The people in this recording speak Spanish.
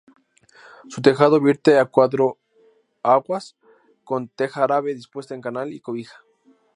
Su tejado vierte a cuadro aguas, con teja árabe dispuesta en canal y cobija.